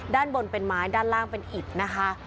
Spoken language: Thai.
ด้านบนเป็นไม้ด้านล่างเป็นอิดนะคะ